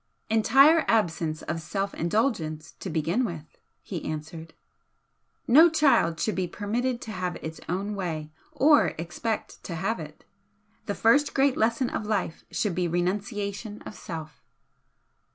"Entire absence of self indulgence, to begin with," he answered "No child should be permitted to have its own way or expect to have it. The first great lesson of life should be renunciation of self."